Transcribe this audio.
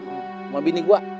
sama bini gua